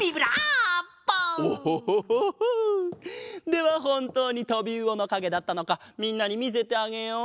ではほんとうにとびうおのかげだったのかみんなにみせてあげよう！